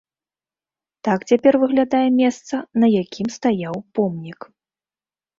Так цяпер выглядае месца, на якім стаяў помнік.